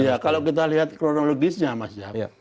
iya kalau kita lihat kronologisnya mas jam